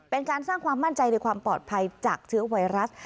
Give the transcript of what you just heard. เป็นการสร้างความมั่นใจในความปลอดภัยจากเชื้อไวรัส